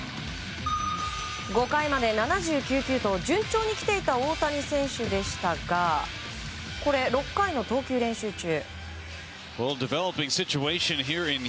５回まで７９球と順調に来ていた大谷選手でしたが６回の投球練習中。